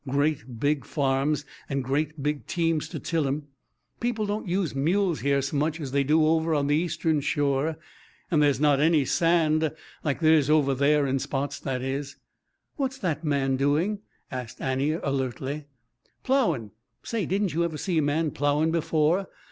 Great big farms and great big teams to till 'em. People don't use mules here s'much as they do over on the Eastern Shore. And there's not any sand, like there is over there in spots, that is." "What's that man doing?" asked Annie alertly. "Ploughin'. Say, didn't you ever see a man ploughin' before?"